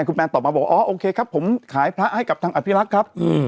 คุณแนนตอบมาบอกอ๋อโอเคครับผมขายพระให้กับทางอภิรักษ์ครับ